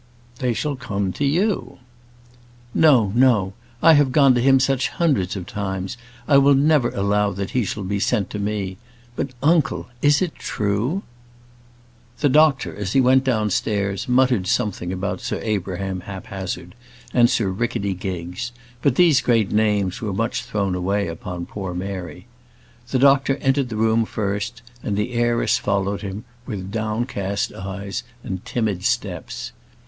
"They shall come to you." "No no. I have gone to him such hundreds of times; I will never allow that he shall be sent to me. But, uncle, is it true?" The doctor, as he went downstairs, muttered something about Sir Abraham Haphazard, and Sir Rickety Giggs; but these great names were much thrown away upon poor Mary. The doctor entered the room first, and the heiress followed him with downcast eyes and timid steps.